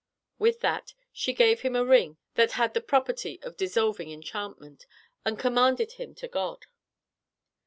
With that, she gave him a ring that had the property of dissolving enchantment, and commended him to God.